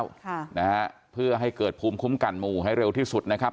ค่ะนะฮะเพื่อให้เกิดภูมิคุ้มกันหมู่ให้เร็วที่สุดนะครับ